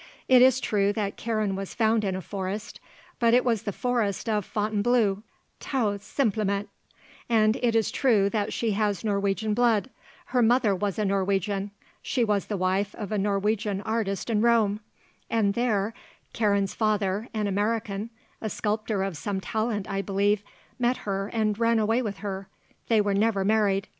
"It is true that Karen was found in a forest, but it was the forest of Fontainebleau, tout simplement; and it is true that she has Norwegian blood; her mother was a Norwegian; she was the wife of a Norwegian artist in Rome, and there Karen's father, an American, a sculptor of some talent, I believe, met her and ran away with her. They were never married.